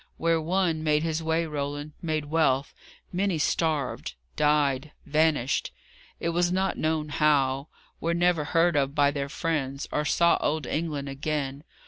Where one made his way, Roland made wealth many starved; died; vanished, it was not known how; were never heard of by their friends, or saw old England again.